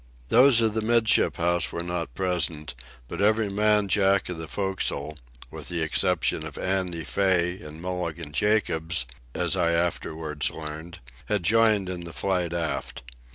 Those of the 'midship house were not present, but every man Jack of the forecastle, with the exception of Andy Fay and Mulligan Jacobs, as I afterwards learned, had joined in the flight aft.